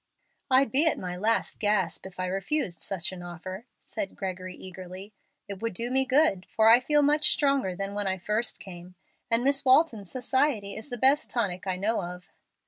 "I'd be at my last gasp if I refused such an offer," said Gregory, eagerly. "It would do me good, for I feel much stronger than when I first came, and Miss Walton's society is the best tonic I know of."